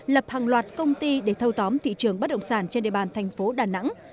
lập hàng loạt công ty để thâu tóm thị trường bất động sản trên địa bàn thành phố đà nẵng